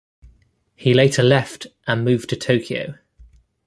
He later left and moved to Tokyo.